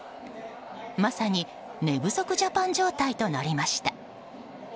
まさに寝不足ジャパン状態となりました。